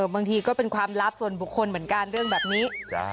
บางทีก็เป็นความลับส่วนบุคคลเหมือนกันเรื่องแบบนี้